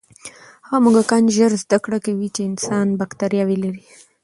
هغه موږکان ژر زده کړه کوي چې انسان بکتریاوې لري.